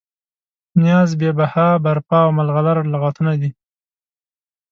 نیاز، بې بها، برپا او ملغلره لغتونه دي.